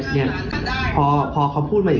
ทำไมเขาถึงทำโดยหนูแบบนี้ค่ะ